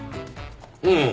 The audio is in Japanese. うん。